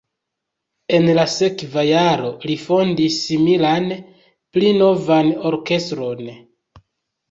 En la sekva jaro li fondis similan, pli novan orkestron.